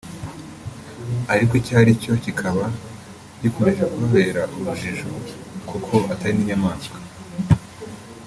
ariko icyo ari cyo kikaba gikomeje kubabera urujijo kuko atari n’inyamaswa